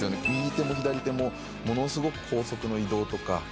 右手も左手もものすごく高速の移動とか。